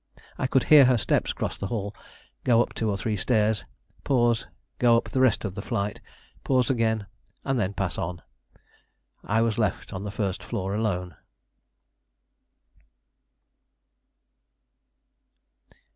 I could hear her steps cross the hall, go up two or three stairs, pause, go up the rest of the flight, pause again, and then pass on. I was left on the first floor alone.